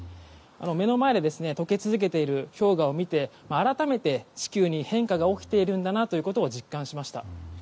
目の前で解け続けている氷河を見て改めて、地球に変化が起きているんだなと実感しました。